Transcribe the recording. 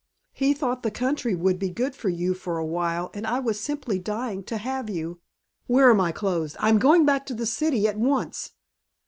He thought the country would be good for you for a while and I was simply dying to have you " "Where are my clothes? I am going back to the city at once."